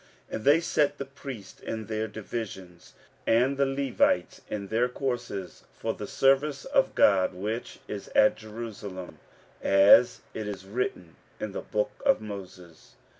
15:006:018 And they set the priests in their divisions, and the Levites in their courses, for the service of God, which is at Jerusalem; as it is written in the book of Moses.